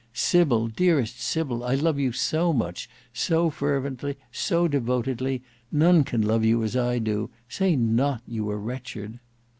Sybil, dearest Sybil, I love you so much, so fervently, so devotedly; none can love you as I do: say not you are wretched!"